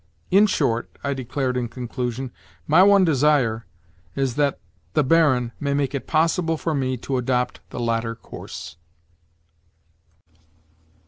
"In short," I declared in conclusion, "my one desire is that the Baron may make it possible for me to adopt the latter course."